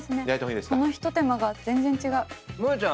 この一手間が全然違う。